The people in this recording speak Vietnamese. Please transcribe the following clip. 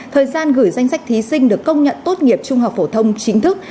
thời gian gửi danh sách thí sinh được công nhận tốt nghiệp trung học phổ thông chính thức